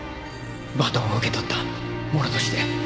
バトンを受け取った者として。